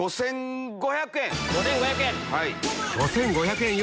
５５００円。